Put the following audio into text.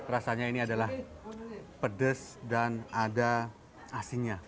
rasanya ini adalah pedes dan ada asinnya